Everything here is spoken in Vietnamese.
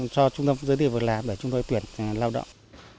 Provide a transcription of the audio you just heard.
cho trung tâm dịch vụ việc làm để chúng tôi tuyển người lao động